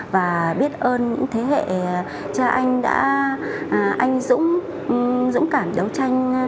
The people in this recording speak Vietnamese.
và biết ơn những thế hệ cha anh đã anh dũng cảm đấu tranh